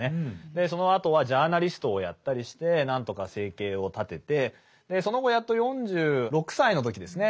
そのあとはジャーナリストをやったりして何とか生計を立ててその後やっと４６歳の時ですね